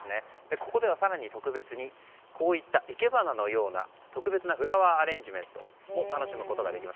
ここでは更に生け花のような特別なフラワーアレンジメントも楽しむことができます。